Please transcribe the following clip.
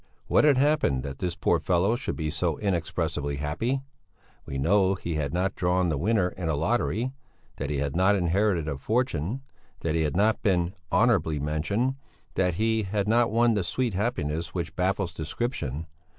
What had happened that this poor fellow should be so inexpressibly happy? We know that he had not drawn the winner in a lottery, that he had not inherited a fortune, that he had not been "honourably mentioned," that he had not won the sweet happiness which baffles description.